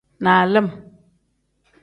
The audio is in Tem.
Nalim.